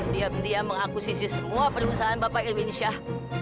dia diam diam mengakusisi semua perusahaan bapak irwin syah